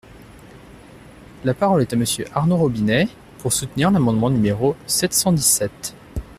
La parole est à Monsieur Arnaud Robinet, pour soutenir l’amendement numéro sept cent dix-sept.